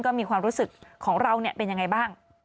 ก็มีความรู้สึกของเราเป็นยังไงบ้าง